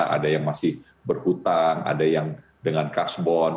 ada yang masih berhutang ada yang dengan cash bond